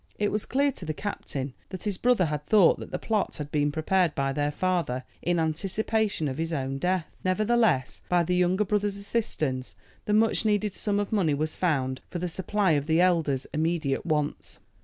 It was clear to the captain that his brother had thought that the plot had been prepared by their father in anticipation of his own death. Nevertheless, by the younger brother's assistance, the much needed sum of money was found for the supply of the elder's immediate wants.